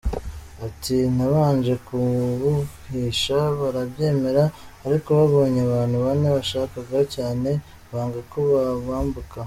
Ati “Nabanje kubumvisha barabyemra ariko babonye abantu bane bashakaga cyane banga ko bo bambuka.